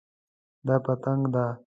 دا پتنګ ده